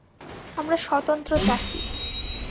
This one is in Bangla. আমরা স্বতন্ত্র চাষী।